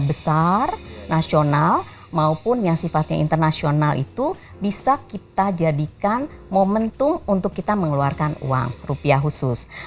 besar nasional maupun yang sifatnya internasional itu bisa kita jadikan momentum untuk kita mengeluarkan uang rupiah khusus